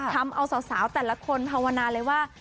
ทำเอาสาวแต่ละคนภาวนาเลยว่า